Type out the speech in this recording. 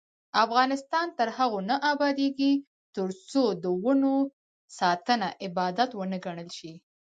افغانستان تر هغو نه ابادیږي، ترڅو د ونو ساتنه عبادت ونه ګڼل شي.